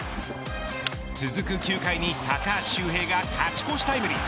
続く９回に高橋周平が勝ち越しタイムリー。